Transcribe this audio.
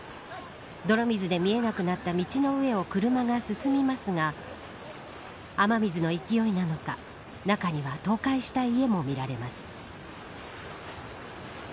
泥水で見えなくなった道の上を車が進みますが雨水の勢いなのか中には倒壊した家もみられます。